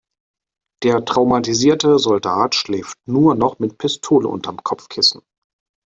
Der traumatisierte Soldat schläft nur noch mit Pistole unterm Kopfkissen.